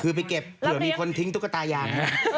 คือไปเก็บเผื่อมีคนทิ้งตุ๊กตายาง